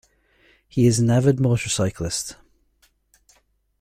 He is an avid motorcyclist.